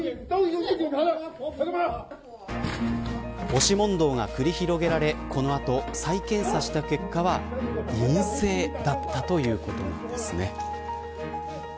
押し問答が繰り広げられこの後、再検査した結果は陰性だったということなんですね。